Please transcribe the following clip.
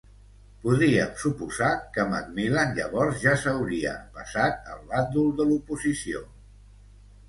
Podríem suposar que McMillan, llavors, ja s'hauria passat al bàndol de l'oposició.